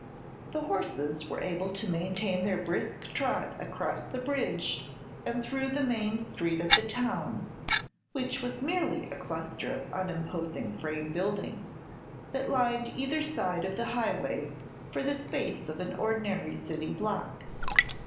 The horses were able to maintain their brisk trot across the bridge and through the main street of the town, which was merely a cluster of unimposing frame buildings, that lined either side of the highway for the space of an ordinary city block.